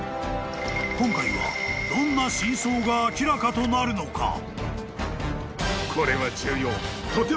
［今回はどんな真相が明らかとなるのか？］